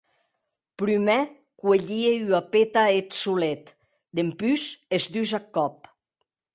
Prumèr cuelhie ua peta eth solet, dempús es dus ath còp.